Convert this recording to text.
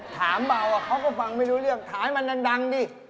เมาเขาก็ฟังไม่รู้เรื่องฐานมันดังดิ